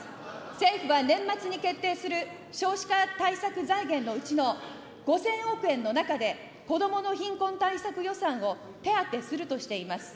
政府は年末に決定する少子化対策財源のうちの５０００億円の中で、子どもの貧困対策予算を手当てするとしています。